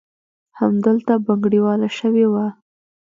همدلته بنګړیواله شوې وه.